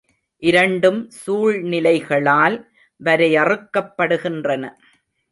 இரண்டும் சூழ்நிலைகளால் வரையறுக்கப் படுகின்றன.